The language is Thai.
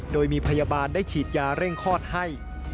โดยมีพยาบาลได้ฉีดยาเร่งคลอดให้